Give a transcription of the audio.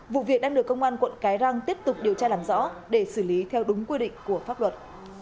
vụ việc đang được công an quận cái răng tiếp tục điều tra làm rõ để xử lý theo đúng quy định của pháp luật